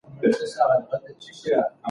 ده په خپلو سترګو کې د هیلو روښنايي ولیده.